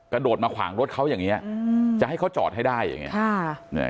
กระโดดมาขวางรถเขาอย่างนี้จะให้เขาจอดให้ได้อย่างนี้